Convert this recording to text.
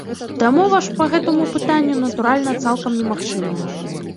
Дамова ж па гэтаму пытанню, натуральна, цалкам немагчымая.